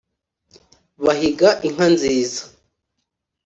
bahiga inka nziza